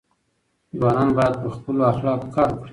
ځوانان باید په خپلو اخلاقو کار وکړي.